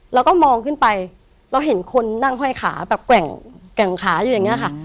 แล้วก็มองขึ้นไปเราเห็นคนนั่งห้อยขาแบบแกว่งขาอยู่อย่างนี้ค่ะ